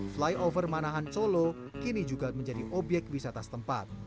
flyover manahan solo kini juga menjadi obyek wisata setempat